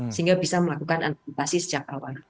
sehingga bisa melakukan antisipasi sejak awal